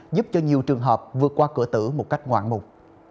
giúp cho nhiều trường hợp vượt qua cửa tử một cách ngoạn mục